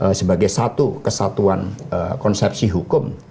sebagai satu kesatuan konsepsi hukum